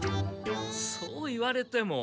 そう言われても。